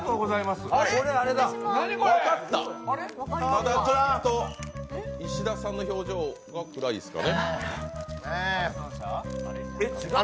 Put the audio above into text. ただちょっと石田さんの表情が暗いですかね。